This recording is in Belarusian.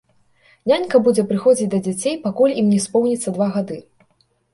Нянька будзе прыходзіць да дзяцей, пакуль ім не споўніцца два гады.